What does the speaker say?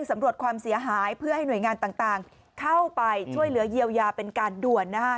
สำรวจความเสียหายเพื่อให้หน่วยงานต่างเข้าไปช่วยเหลือเยียวยาเป็นการด่วนนะฮะ